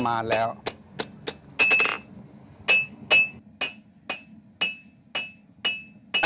เหมือนเล็บตลอดเวลา